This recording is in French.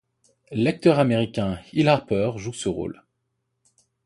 L'acteur américain Hill Harper joue ce rôle.